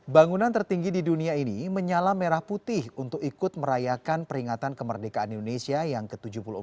bangunan tertinggi di dunia ini menyala merah putih untuk ikut merayakan peringatan kemerdekaan indonesia yang ke tujuh puluh empat